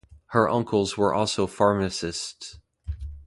Her uncles were also pharmacists.